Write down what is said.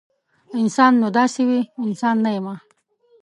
انسان نو داسې وي؟ انسان نه یمه